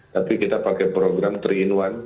tapi kita pakai program tiga in satu